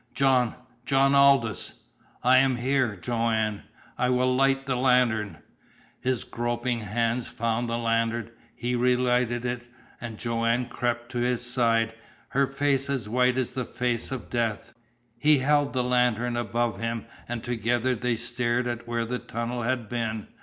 "John John Aldous!" "I am here, Joanne! I will light the lantern!" His groping hands found the lantern. He relighted it, and Joanne crept to his side, her face as white as the face of the dead. He held the lantern above him, and together they stared at where the tunnel had been.